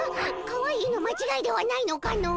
かわいいの間違いではないのかの？